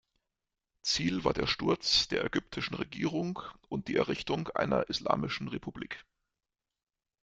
Ziel war der Sturz der ägyptischen Regierung und die Errichtung einer islamischen Republik.